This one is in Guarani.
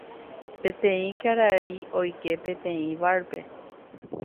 Peteĩ karai oike peteĩ bar-pe.